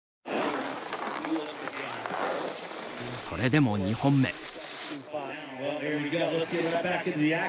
それでも２本目。